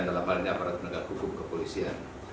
dalam hal ini aparat penegak hukum kepolisian